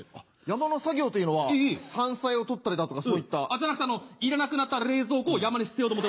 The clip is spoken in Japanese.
山の作業というのは山菜を採ったりだとかそういった？じゃなくていらなくなった冷蔵庫を山に捨てようと。